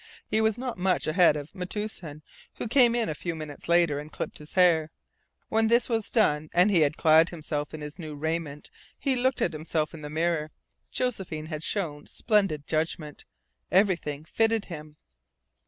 He was not much ahead of Metoosin, who came in a few minutes later and clipped his hair. When this was done and he had clad himself in his new raiment he looked at himself in the mirror. Josephine had shown splendid judgment. Everything fitted him.